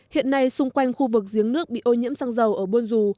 hiện nay xung quanh khu vực giếng nước bị ô nhiễm xăng dầu ở buôn dù